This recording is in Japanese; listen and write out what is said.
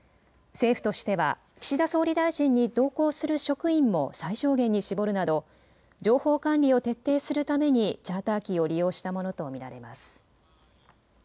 政府としては岸田総理大臣に同行する職員も最小限に絞るなど情報管理を徹底するためにチャーター機を利用したものと見られます。